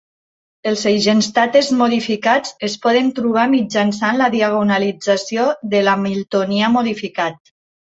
Els eigenstates modificats es poden trobar mitjançant la diagonalització del hamiltonià modificat.